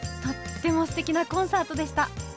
とってもすてきなコンサートでした！